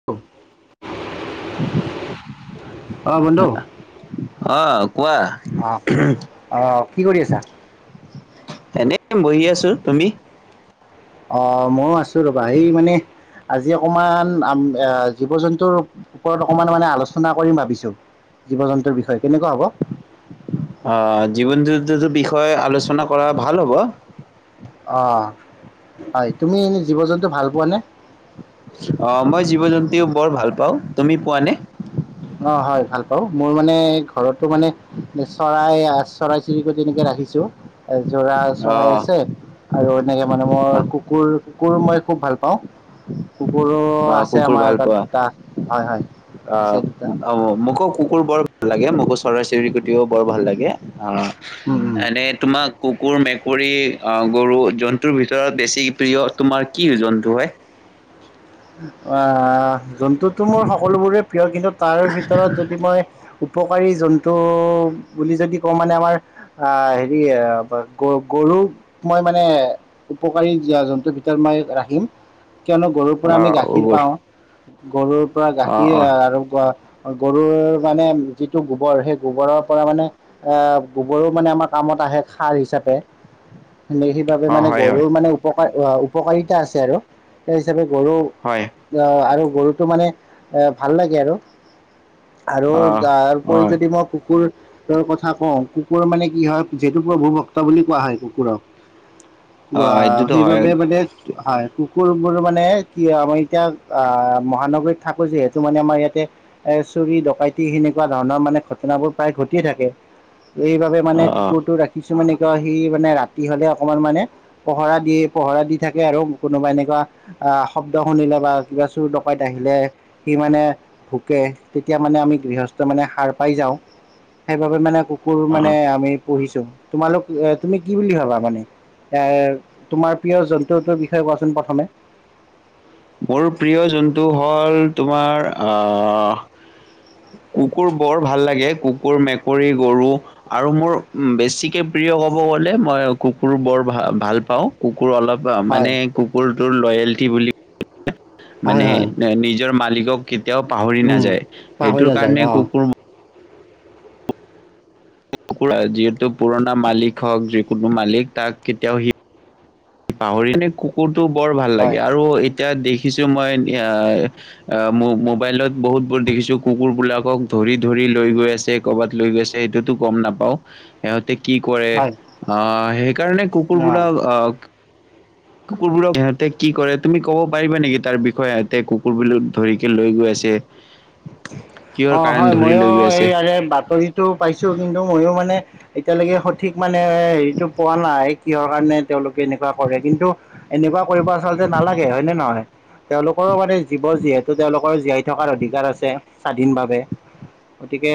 [inaudible] [inaudible] অ বন্ধু! আহ কোৱা। অ অ কি কৰি আছা এনে বহি আছো। তুমি? অ মইও আছো ৰ'বা, এই মানে আজি অকমান আম এ জীৱ-জন্তুৰ ওপৰত অকমান মানে আলোচনা কৰিম ভাবিছো। জীৱ-জন্তুৰ বিষয়, কেনেকুৱা হ'ব? অ জীৱন জন্তু বিষয়ে আলোচনা কৰা ভাল হ'ব। অ হয়, তুমি এনে জীৱ জন্তু ভাল পোৱা নে? অ মই জীৱ জন্তুও বৰ ভাল পাওঁ, তুমি পোৱানে? অ হয় ভাল পাওঁ, মোৰ মানে ঘৰটো মানে চৰাই আ চৰাই-চিৰিক তেনেকে ৰাখিছো এ জোৰা চৰাই অ' আছে আৰু এনেকে মানে মই অ' কুকুৰ কুকুৰ মই খুব ভাল পাওঁ। কুকুৰো অ' আছে কুকুৰ আমাৰ ভাল তাত পোৱা দুটা, হয় হয়। অ' আছে দুটা। অ মোকো কুকুৰ বৰ ভাল লাগে, মোকো চৰাই-চিৰিকুটিও বৰ ভাল লাগে। অ উম উম এনে তোমাক কুকুৰ মেকুৰী অ গৰু জন্তুৰ ভিতৰত বেছি প্ৰিয় তোমাৰ কি জন্তু হয়? আ জন্তুটো মোৰ সকলোবোৰে প্ৰিয় কিন্তু তাৰে ভিতৰত যদি মই উপকাৰী জন্তু বুলি যদি কওঁ মানে মই আঁ হেৰি এয়া গ গৰু মই মানে উপকাৰী জ জন্তুৰ ভিতৰত মই ৰাখিম। কিয়নো গৰু পৰা আমি অ' গাখীৰ কুকুৰ পাওঁ, গৰুৰ পৰা অ' গাখীৰ অ' আৰু গ গৰুৰ মানে যিটো গোবৰ সেই গোবৰৰ পৰা মানে এঁ গোবৰো মানে আমাৰ কামত আহে, খাৰ হিচাপে [unintelligible] সেই বাবে অ' মানে হয় হয় গৰুৰ মানে উপকাৰ উপকাৰিতা আছে আৰু সেই হিচাপে গৰু হয় ৱে আৰু গৰুতটো মানে এ ভাল লাগে আৰু আৰু অ' তাৰ উপৰি হয় যদি মই কুকুৰ ৰৰ কথা কওঁ, কুকুৰ মানে কি হয় যিহেতু প্ৰভু ভক্ত বুলি কোৱা হয় কুকুৰক। ৱা অ' এইটোতো সেইবাবে মানে হয় হয়, কুকুৰ বোৰ মানে কি য় আমাৰ এতিয়া আহ মহানগৰীত থাকো যিহেতু মানে আমাৰ ইয়াতে এ চুৰি ডকাইতি সেনেকুৱা ধৰণৰ মানে ঘটনাবোৰ প্ৰায় ঘটিয়ে থাকে। এইবাবে অ মানে অ কুকুৰটো ৰাখিছো মানে, কিয় সি মানে ৰাতি হ'লে অকমান মানে পহৰা দিয়ে, পহৰা দি থাকে আৰু কোনোবা এনেকুৱা, আহ শব্দ শুনিলে বা কিবা চুৰ ডকাইত আহিলে, সি মানে ভুকে, তেতিয়া মানে আমি গৃহস্থই মানে সাৰ পাই যাওঁ। সেইবাবে মানে কু কুৰ মানে অ আমি পুহিছো, তোমালোক এ, তুমি কি বুলি ভাবা মানে? এঁ, তোমাৰ প্ৰিয় জন্তুটোৰ বিষয়ে কোৱাচোন প্ৰথমে। মোৰ প্ৰিয় জন্তু হ'ল তোমাৰ, আহ কুকুৰ বৰ ভাল লাগে। কুকুৰ, মেকুৰী, গৰু আৰু মোৰ বেছিকে প্ৰিয় ক'ব গ'লে মই কুকুৰ বৰ ভা ভাল পাওঁ, কুকুৰ অলপ হয় মানে, কুকুৰটোৰ লয়েলটি বুলি হয় মানে, হয় নিজৰ মালিকক কেতিয়াও পাহৰি উম নাযায়। পাহৰি সেইটোৰ নাযায় কাৰণে অ কুকুৰ কুকুৰ যিহেতু পুৰণা মালিক হওঁক, যিকোনো মালিক তাক কেতিয়াও সি পাহৰি মানে, কুকুৰটো বৰ ভাল হয় লাগে আৰু এতিয়া দেখিছো মই এয়া আহ মো, মোবাইলত বহুত বোৰ দেখিছোঁ, কুকুৰ বিলাকক ধৰি ধৰি লৈ গৈ আছে। কবাত লৈ গৈছে, সেইটোতো গ'ম নাপাওঁ। সিহঁতে কি কৰে হয় অঁ, সেইকাৰণে কুকুৰ অ বোৰক অঁ কুকুৰ বোৰক সিহঁতে কি কৰে, তুমি ক'ব পাৰিবা নেকি? তাৰ বিষয়ে সিহঁতে কুকুৰবোৰক ধৰিকে লৈ গৈ আছে? কিহৰ অঁ কাৰণে হয়, ধৰি ময়ো লৈ গৈ আছে এইয়াৰে বাতৰিটো পাইছোঁ কিন্তু ময়ো মানে এতিয়ালেকে সঠিক মানে হেৰিটো পোৱা নাই কিহৰ কাৰণে তেওঁলোকে এনেকুৱা কৰে কিন্তু এনেকুৱা কৰিব আচলতে নালাগে হয়নে নহয়? তেওঁলোকৰো মানে জীৱ যিহেতু, তেওঁলোকৰ জীয়াই থকাৰ অধিকাৰ আছে। কৰে স্বাধীনভাৱে, গতিকে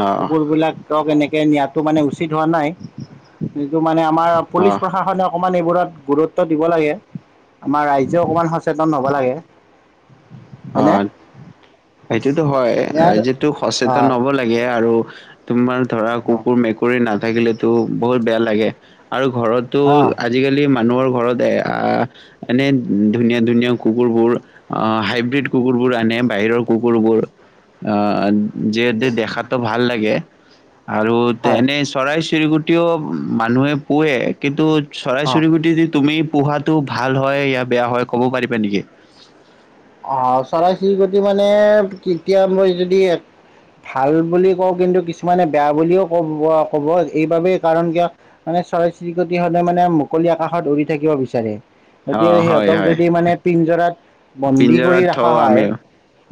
অ কুকুৰ বিলাকক এনেকে নিয়াটো মানে উচিত হোৱা নাই। যিটো মানে আমাৰ পুলিচ অ প্ৰশাসনক অকণমান এইবোৰত গুৰুত্ব দিব লাগে। আমাৰ ৰাইজেও অকণমান সচেতন হ'ব লাগে। হয়নে অঁ সেইটোতো হয়। ইয়াৰ ৰাইজেটো সচেতন অঁ হ'ব লাগে আৰু, তোমাৰ ধৰা অঁ কুকুৰ, মেক কুৰি নাথাকিলেতো বহুত বেয়া লাগে, আৰু ঘৰতো অঁ আজিকালি মানুহৰ ঘৰতে এ, আ এনেই ধুনীয়া ধুনীয়া কুকুৰবোৰ আহ হাই ব্ৰিদ কুকুৰবোৰ আনে, বাহিৰৰ কুকুৰবোৰ অ', যিহেতু দেখাত ত' ভাল লাগে, আৰু হয় এনেই চৰাই চিৰিকুটিও মানুহে পোৱে কিন্তু, চৰাই অঁ চিৰিকুটি যি তুমি পোহাতটো ভাল হয়, বেয়া হয় ক'ব পাৰিবা নিকি? আহ', চৰাই চিৰিকুটি মানে কেতিয়া মই যদি এক ভাল বুলি কওঁ কিন্তু কিছুমানে বেয়া বুলিও ক' ক'ব, এইবাবেই কাৰণ কিয় মানে চৰাই চিৰিকতি হতে মানে, মুকলি আকাশত উৰি থাকিব বিচাৰে। অ গতিকে হয় সিহঁতক হয় যদি মানে পিঞজৰাত বন্দী কৰি পিঞ্জৰাত ৰখা থওঁ আমি হয়।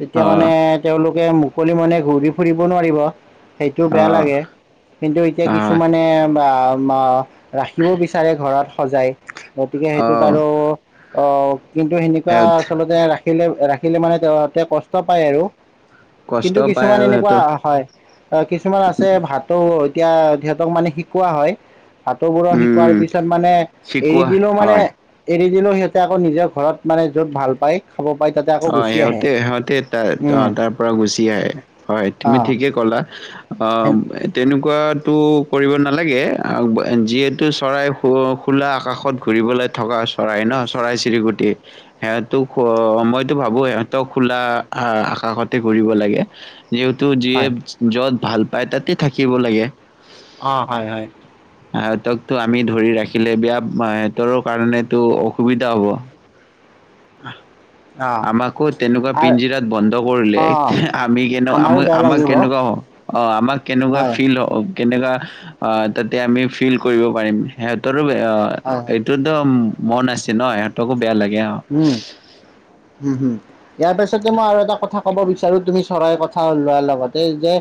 তেতিয়া মানে তেওঁলোকে মুকলি মানে ঘূৰি ফুৰিব নোৱাৰিব, সেইটো বেয়া অ', লাগে। কিন্তু এতিয়া আহ, কিছুমানে অ', অ', ৰাখিবওঁ বিচাৰে ঘৰত সজাই। গতিকে সেইটো অ', বাৰু, অ', কিন্তু এনেকুৱা সেত ৰাখিলে ৰাখিলে মানে তেওঁ, তেওঁ কষ্ট পায় আৰু। কষ্ট কিন্তু পায় কিছুমান আৰু এনেকুৱা সিহঁতৰ হয়। অ', কিছুমান আছে ভাটৌ। এতিয়া সিহঁতক মানে শিকোৱা হয়। ভাটৌবোৰক শিকোৱাৰ উম, পিছত মানে, এৰি শিকোৱা দিলোও মানে হয়। এৰি দিলেওঁ সিহঁতে আকৌ, নিজৰ ঘৰত মানে য'ত ভাল পাই খাব পাই। তাতে আকৌ অ', গুচি আহে সিহঁতে, সিহঁতে ত', তাৰ উম। অ' তাৰ পৰা গুচি আহে। হয়', তুমি অ', ঠিকে ক'লা। এন অ', তেনেকুৱাটো কৰিব নালাগে, যিহেতু চৰাই খোলা আকাশত ঘূৰিবলৈ থকা চৰাই ন' চৰাই-চিৰিকুটি সিহঁতো মই ভাবোঁ সিহঁতক খোলা আকাশতে ঘূৰিব লাগে। যিহেতু যিয়ে হয়। য'ত ভাল পায় তাতেই থাকিব লাগে। অ', হয়', হয়',। সিহতকতো আমি ধৰি ৰাখিলে বেয়া, সিহতৰ কাৰণে অসুবিধা হ'ব। আহ',। অ', আমাকো তেনেকুৱা আৰ পিঞ্জিৰাত বন্ধ কৰিলে, অ', আমি কেনে আমাৰো আম- বেয়া আমাক লাগিব হয়, কেনেকুৱা হওঁ। অ', আমাক কেনেকুৱা হয়, ফিল হ'ব? কেনেকুৱা তাতে আমি ফিল কৰিব পাৰিম। সিহঁতৰো হয়, সিহঁতৰো মন আছে ন', ইহঁতকো বেয়া লাগে অ',। উম', হম', হম',। ইয়াৰ পাছতে মই আৰু এটা কথা ক'ব বিচাৰোঁ, তুমি চৰাই কথা লোৱাৰ লগতে যে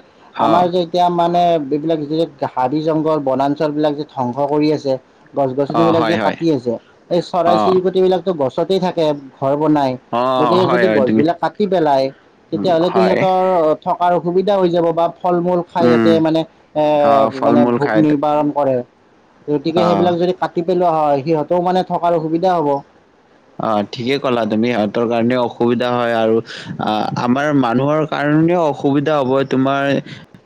অ আমাৰ যে, এতিয়া মানে এইবিলাক যে, হাবি বনাঞ্চলবিলাক যে ধ্বংস কৰি আছে। অ গছ-গছনিবিলাক হয় যে হয় কাটি আছে, এই অ চৰাই-চিৰিকটি বিলাকো থাকে ঘৰ বনায়। অ গতিকে হয় যদি হয় গছ তুমি বিলাক কাটি পেলাই, তেতিয়াহ'লেতো হয় সিহঁতৰ থকাৰ অসুবিধা হৈ যাব বা ফল-মূল খাই উম সিহঁতে মানে অ এ' ফল মানে মূল ভোগ খাই নিবাৰণ কৰে, গতিকে অ সেইবিলাক যদি কাটি পেলোৱা হয়, সিহঁতেও মানে থকাৰ অসুবিধা হ'ব। অ', ঠিক কলা তুমি, সিহঁতৰ কাৰণে অস অসুবিধা হয় আৰু আহ' আমাৰ মানুহৰ কাৰণেও অসুবিধা হ'ব, তোমাৰ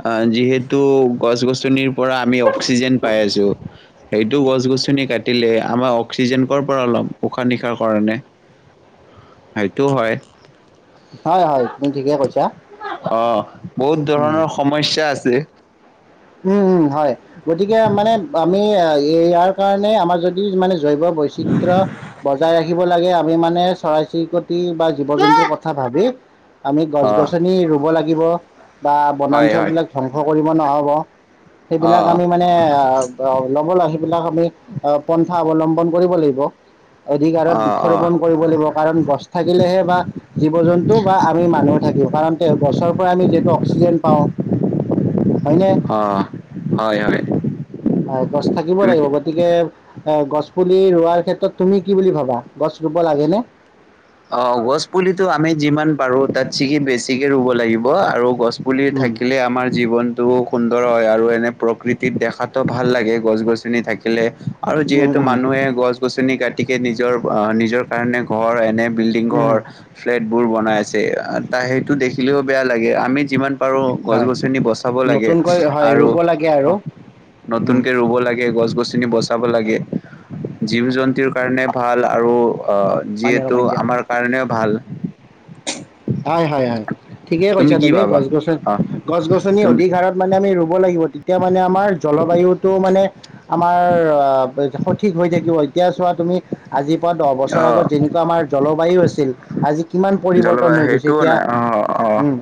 অ', যিহেতু গছ-গছনিৰ পৰা আমি অক্সিজেন পাই আছোঁ, সেইটো গছ-গছনি কাটি কাটিলে আমাৰ অক্সিজেননৰ পৰা ল'ম? উসাহ নিশাহ কাৰণে, সেইটো হয়। হয়', হয়', তুমি ঠিকে কৈছা। অ', বহুত উম ধৰণৰ সমস্যা আছে। উম হয়, গতিকে মানে আমি ইয়াৰ কাৰণে আমাৰ যদ মানে জৈৱ বৈচিত্ৰ বজাই ৰাখিব লাগে, আমি মানে চৰাই-চিৰিকট টি বা জীৱ-জন্তুৰ কথা ভাবি আমি অ গছ-গছনি ৰুব লাগিব। বা হয় হয় বনাঞ্চলবিলাক ধ্বংস কৰিব নহ'ব। অ সেইবিলাক আমি মানে আহ ল'ব ল সেইবিলাক আমি পন্থা অৱলম্বন কৰিব লাগিব। অধিক হাৰত অ অ বৃক্ষৰোপন কৰিব লাগিব কাৰণ গছ থাকিলেহে বা জীৱ-জন্তু বা আমি মানুহ থাকিম কাৰণ গছৰ পৰা আমি যিহেতু অক্সিজেন পাওঁ। হয়নে? অ হয়, হয়। গছ হয় থাকিব তুমি লাগিব গত তিকে অ গছ পুলি ৰোৱাৰ ক্ষেত্ৰত তুমি কি বুলি ভাবা? গছ ৰুব লাগেনে? অ গছ পুলিতো আমি যিমান পাৰো তাত ছিগি বেছিকে ৰুব লাগিব আৰু গছ পুলি উম থাকিলে আমাৰ জীৱন টো সুন্দৰ হয় আৰু এনে প্ৰকৃতিত দেখাতো ভাল লাগে গছ-গছনি থাকিলে। আৰু উম যিহেতু উম মানুহে গছ-গছনি কাটিকে নিজৰ নিজৰ কাৰণে ঘৰ এনে বিল্ডিং ঘৰ, উম ফ্লেটবোৰ বনাই আছে, সেইটো দেখিলেও বেয়া লাগে। আমি যিমান পাৰো, হয় গছ-গছনি বচাব লাগে নতুনকৈ হয় আৰু ৰুব লাগে আৰু হ উম নতুনকে ৰুব লাগে গছ-গছনি বচ তাব লাগে, জীৱ-জন্তুৰ কাৰণে ভাল আৰু আ পানী যিহেতু অকমান দিয়া কাৰ কাৰণেও ভাল। হয় হয় হয় ঠিকেই কৈছা কি তুমি ভাবা গছ-গছনি, অ গছ-গছনি তুমি অধিক হাৰত মানে আমি ৰুব লাগিব তেতিয়া মানে আমাৰ জলবায়ুটো মানে আমাৰ আ [unintelligible] সঠিক হৈ থাকিব এতিয়া চোৱা তুমি আজিৰ পৰা দহ বছৰ অ আগত যেনেক ত আমাৰ জলবায়ু আছিল আজি কিমান পৰিৱত ৰ্তন জলবায়ু হৈ গৈছে। সেইটোও এতিয়া নাই অ অ উম,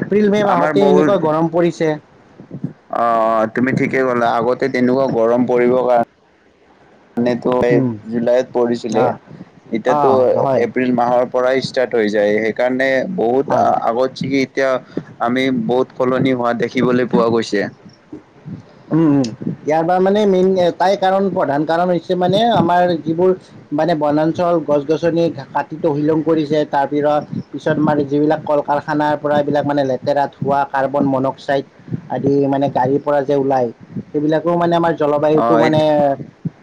এপ্ৰিল মে আমাৰ মাহতে বহুত এনেকুৱা গৰম পৰিছে। অ তুমি ঠিকে ক'লা আগতে তেনেকুৱা গৰম পৰিব কাৰ এনেতো এই উম, জুলাইত পৰিছিলে অ', এতিয়াতো অ', হয়, এপ্ৰিল মাহত পৰাই ষ্টাৰ্ট হৈ যায়, সেইকাৰণে বহুত হয়, আগত যিকি এতিয়া আমি বহুত সলনি হোৱা দেখিবলৈ পোৱা গৈছে। উম উম। ইয়াৰ পৰা মানে মেইন এটাই কাৰণ প্ৰধান কাৰণ হৈছে মানে আমাৰ যিবোৰ মানে বনাঞ্চল গছ গছনি কাটি তহিলং কৰিছে তাৰপিছত পিছত মাৰি যিবিলাক কল-কাৰখানাৰ পৰা এইবিলাক মানে লেতেৰা ধোৱা কাৰ্বন মনক্সাইড আদি মানে গাড়ীৰ পৰা যে ওলাই, সেইবিলাকো আমাৰ অ জলবায়ুতো মানে এইটো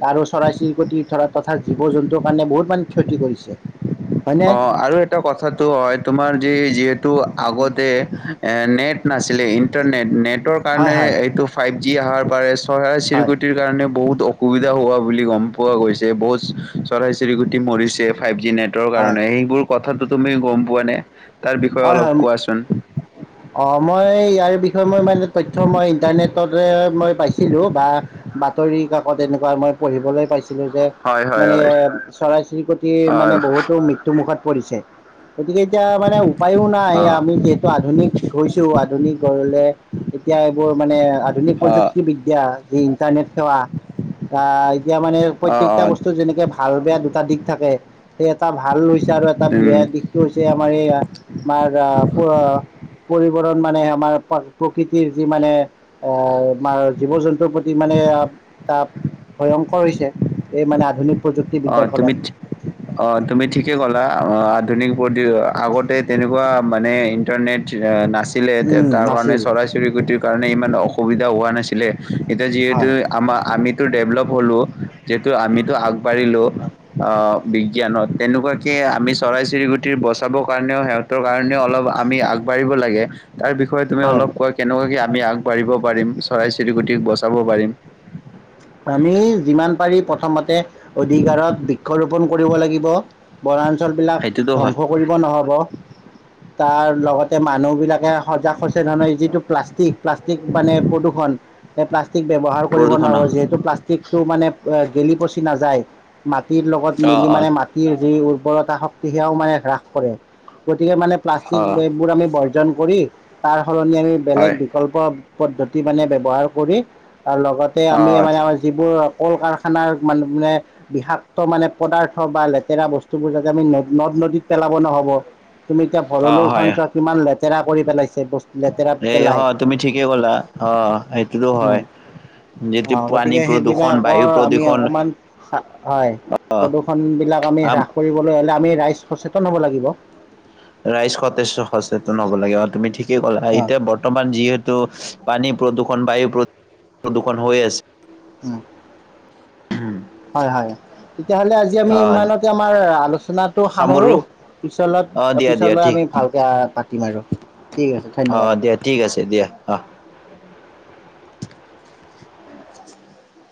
আৰু চৰাই-চিৰিকতি ধৰা তথা জীৱ-জন্তুৰ কাৰণে বহুত মানে ক্ষতি কৰিছে। হয়নে? অ আৰু এটা কথাটো হয় তোমাৰ যি যিহেতু আগতে এ নেট নাছিলে ইণ্টাৰনেট নেটৰ হয়, কাৰণে হয়, এইটো ফাইভ জি আহাৰ পাৰেছ হয়। চৰাই-চিৰকটিৰ কাৰণে বহুত অুবিধা হোৱা বুলি গম পোৱা গৈছে বহুত চৰাই-চিৰকতি মৰিছে ফাইভ জি নে টৰ হয়, কাৰণে সেইবোৰ কথাটো তুমি গম পোৱা নে তাৰ বিষয়ে হয়, অলপ হয়। কোৱাচোন? অ মই ইয়াৰ বিষয়ে মই ইমান তথ্য মই ইণ্টাৰনেট তত এয়াত মই পাইছিলো বা বাতৰি কাকত এনেকুৱা মই পঢ়িবলে পাইছ ছিলো যে হয় হয় মানে হয় চৰাই-চিৰিকটিৰ অ মানে বহুতো মৃত ত্যু মুখত পৰিছে, গতিকে এতিয়া মানে উপায়ো নাই অ আমি যিহেতু আধুনিক হৈছো আধুনিক হ'লে এতিয়া এইবোৰ মানে আধ আধুনিক অ প্ৰযুক্তিবিদ্যা যি ইণ্টাৰনেট সেৱা এতিয়া মানে অ প্ৰত্যকটা বস্তু অ যেনেকে ভাল বেয়া দুটা দিশ থাকে সেই এটা ভাল হৈছে আৰু এটা বেয়া উম দিশ টো হৈছে আমাৰ এই আমাৰ প পৰিবৰন মানে আমাৰ প্ৰকৃতিৰ যি মানে আমাৰ জীৱ জন্তুৰ প্ৰতি মানে এটা ভয়ংকৰ হৈছে এই মানে আধুনিক অ প্ৰযুক্তিবিদ্যাৰ তুমি ঠি [inaudible] অ তুমি ঠিকে ক'লা আধুনিক আগতে তেনেকুৱা মানে ইণ্টাৰনেট নাছি লে উম তাৰ কাৰণে নাছিল চৰাই চিৰকটিৰ কাৰণে ইমান অসুবিধা হোৱা নাছিলে এতিয়া যিহেতু হয় আমাৰ আমিতো ডেভলপ হ'লো যিহেতু আমিতো আগবাঢ়িলো, অ। অ বিজ্ঞানত তেনেকুৱাকে আমি চৰাই চিৰিকটিৰ বচাবৰ কাৰণেও সিহত ত কাৰণেও অলপ আমি আগবাঢ়িব লাগে। তাৰ বিষয়ে তুমি হয় অলপ কয় কেনেকুৱাকে আমি আগবাঢ়িব পাৰিম চৰাই চিৰিকটিক বচাব পাৰিম। আমি যিমান পাৰি প্ৰথমতে অধিক হাৰত বৃক্ষৰোপন কৰিব লাগিব বনাঞ্চ ঞ্চল বিলাক সেইটোতো হয় ধ্বংস কৰিব নহব, তাৰ লগতে মানুহবিলাক সজাগ হৈছে ধৰণৰ যিটো প্লাষ্টিক প্লাষ্টিক মানে প্ৰদূষণ এই প্লাষ্টিক ব্যৱহাৰ কৰিব প্ৰদূষণ নোৱাব যিহেতু প্লাষ্টিকটো মানে গেলি পচি নাযায়। মাটিৰ লগত অ' মিলি মানে মা অ' টিৰ যি উৰ্বৰতা শক্তি সেয়াও মানে হ্ৰাস কৰে, গতিকে মানে অ' প্লাষ্টিকবোৰ আমি ব ৰ্জন কৰি তাৰ সলনি আমি বেলেগ হয় প্ৰকল্প পদ্ধতি মানে ব্যৱহাৰ কৰি আৰু লগতে আমি অ'। মানে যিবোৰ কল কাৰখানাৰ মানে বিষাক্ত পদাৰ্থ বা লেতেৰা বস্তুবোৰ যাতে আমি ন নদ নদীত পেলাব নহব। তুমি এতিয়া অ ভৰলু হয় খন চোৱা কিমান লেতেৰা কৰি পেলাইছে বস্তু লেতেৰা এই অ পেলাই। তুমি ঠিকে ক'লা। অ সেইটোতো হয়। যিটো অ পানী গতিকে প্ৰদূষণ বায়ু সেইবিলাকৰ আমি প্ৰদূষণ অকমান হয়। প্ৰদূষন বিলাক আমি আম হ্ৰাস কৰিবলৈ হলে আমি ৰাইজ সচেতন হব লাগিব। ৰাইজ সতেজ সচেতন হ'ব লাগে তুমি ঠিকেই কলা অ এতিয়া বৰ্তমান যিহে তু পানী প্ৰদূৰষণ বায়ু প্ৰদূষণ হৈ আছে। উম। হয় হয় তেতিয়াহ'লে আজি আজি আমি অ ইমানতে আমাৰ আলোচনাটো সামৰো পিছলে অ দিয়া দিয়া পিছলে ঠিক আমি ভাল এতিয়া পাতিম আৰু ঠিক আছে। ধন্যবাদ অ', দিয়া ঠিক আছে দিয়া অ'।